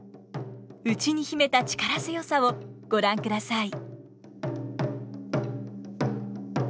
内に秘めた力強さをご覧ください。